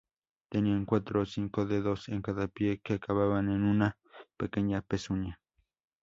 Tenían cuatro o cinco dedos en cada pie, que acababan en una pequeña pezuña.